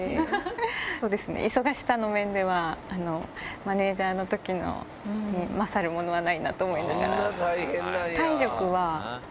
そうですね、忙しさの面ではマネージャーのときに勝るものはないなと思いながら。